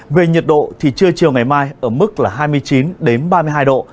về nhiệt độ thì trưa chiều ngày mai ở mức là hai mươi chín ba mươi hai độ